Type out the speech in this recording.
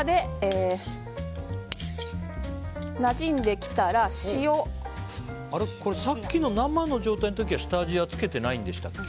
なじんで来たらさっきの生の状態の時は下味はつけないんでしたっけ？